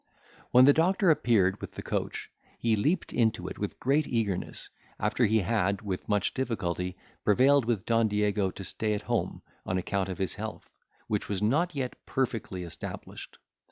When the doctor appeared with the coach, he leaped into it with great eagerness, after he had, with much difficulty, prevailed with Don Diego to stay at home, on account of his health, which was not yet perfectly established.